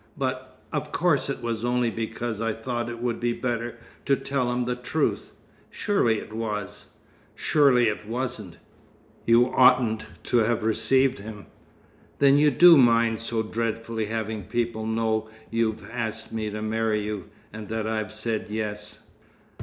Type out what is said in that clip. But of course it was only because I thought it would be better to tell him the truth. Surely it was?" "Surely it wasn't. You oughtn't to have received him." "Then do you mind so dreadfully having people know you've asked me to marry you, and that I've said 'yes'?"